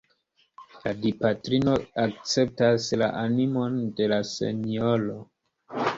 La Dipatrino akceptas la animon de la senjoro.